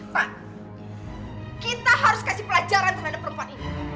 pak kita harus kasih pelajaran terhadap perempuan ini